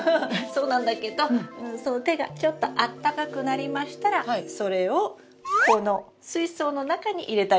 そうなんだけどその手がちょっとあったかくなりましたらそれをこの水槽の中に入れたいんです。